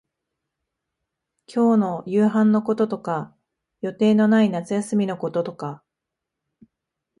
今日の夕飯のこととか、予定のない夏休みのこととか、